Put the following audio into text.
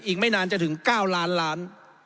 อีกไม่นานจะถึง๙ล้านล้าน